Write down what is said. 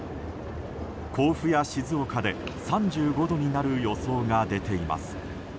甲府や静岡で３５度になる予想が出ています。